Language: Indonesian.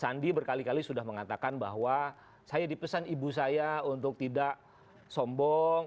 sandi berkali kali sudah mengatakan bahwa saya dipesan ibu saya untuk tidak sombong